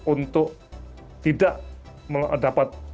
untuk tidak dapat